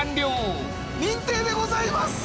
認定でございます！